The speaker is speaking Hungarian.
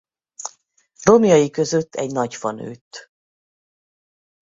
Romjai között egy nagy fa nőtt.